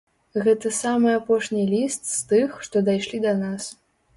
Гэта самы апошні ліст, з тых, што дайшлі да нас.